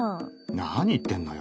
なに言ってんのよ。